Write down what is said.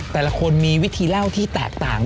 แต่ละคนมีวิธีเล่าที่แตกต่าง